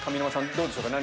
どうでしょうか？